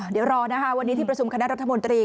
เดี๋ยวรอนะคะวันนี้ที่ประชุมคณะรัฐมนตรี